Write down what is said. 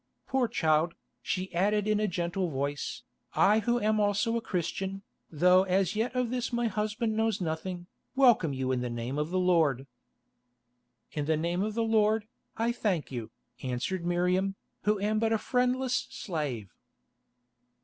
Poor child," she added in a gentle voice, "I who am also a Christian, though as yet of this my husband knows nothing, welcome you in the Name of the Lord." "In the Name of our Lord, I thank you," answered Miriam, "who am but a friendless slave."